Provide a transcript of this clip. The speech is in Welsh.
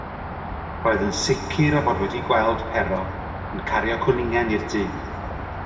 Roedd yn sicr o fod wedi gweld Pero yn cario cwningen i'r tŷ.